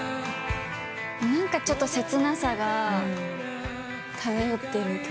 何かちょっと切なさが漂ってる曲。